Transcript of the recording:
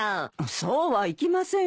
そうはいきませんよ。